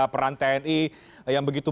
peran tni yang begitu